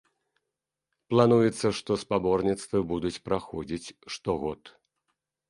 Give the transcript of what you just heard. Плануецца, што спаборніцтвы будуць праходзіць штогод.